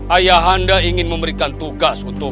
ayah anda ingin memberikan tugas untuk